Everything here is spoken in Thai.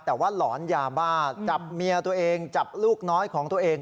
แต่ว่าหลอนยาบ้าจับเมียตัวเองจับลูกน้อยของตัวเอง